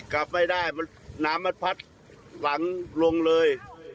กลับไม่ได้มันน้ำมันพัดหลังลงเลย